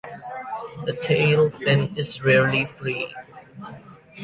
The tail fin is rarely free.